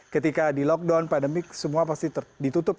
ketika di lockdown pandemik semua pasti ditutup